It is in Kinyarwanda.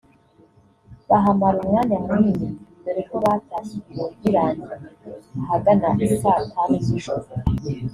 bahamara umwanya munini dore ko batashye ibirori birangiye ahagana isaa tanu z’ijoro